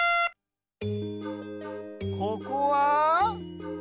ここは？